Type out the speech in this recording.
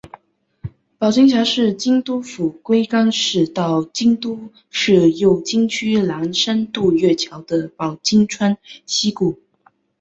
保津峡是京都府龟冈市到京都市右京区岚山渡月桥的保津川溪谷。